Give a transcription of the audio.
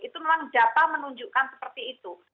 itu memang data menunjukkan seperti itu